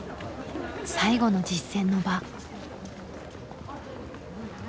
最後の実戦の場。